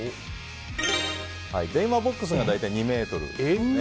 電話ボックスが大体２ｍですね。